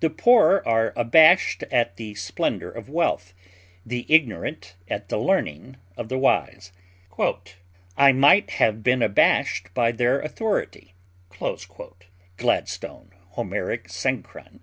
The poor are abashed at the splendor of wealth, the ignorant at the learning of the wise. "I might have been abashed by their authority." GLADSTONE _Homeric Synchron.